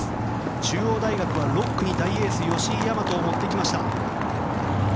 中央大学は６区に大エースの吉居大和を持ってきました。